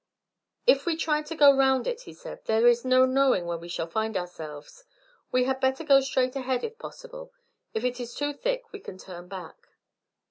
"If we tried to go round it," he said, "there is no knowing where we should find ourselves. We had better go straight ahead, if possible. If it is too thick we can turn back."